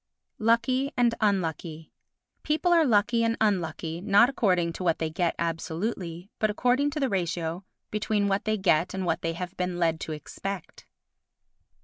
Lucky and Unlucky People are lucky and unlucky not according to what they get absolutely, but according to the ratio between what they get and what they have been led to expect.